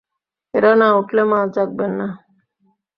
এরা না উঠলে মা জাগবেন না।